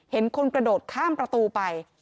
เห็นคนกระโดดข้ามประตูไป